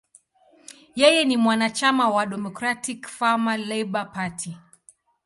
Yeye ni mwanachama wa Democratic–Farmer–Labor Party.